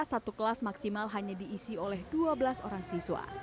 satu kelas maksimal hanya diisi oleh dua belas orang siswa